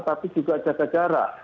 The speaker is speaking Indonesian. tapi juga jaga jarak